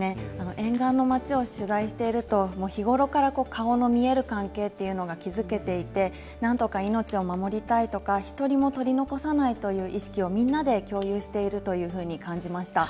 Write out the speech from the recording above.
沿岸の町を取材していると、日頃から顔の見える関係っていうのが築けていて、なんとか命を守りたいとか、１人も取り残さないという意識をみんなで共有しているというふうに感じました。